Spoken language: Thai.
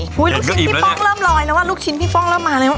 ลูกชิ้นพี่ป้องเริ่มลอยแล้วว่าลูกชิ้นพี่ป้องเริ่มมาเลยว่า